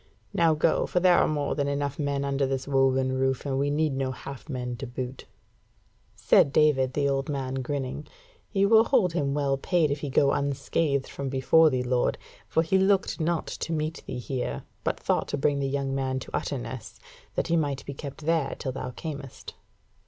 Now go, for there are more than enough men under this woven roof, and we need no half men to boot." Said David, the old man, grinning: "He will hold him well paid if he go unscathed from before thee, lord: for he looked not to meet thee here, but thought to bring the young man to Utterness, that he might be kept there till thou camest."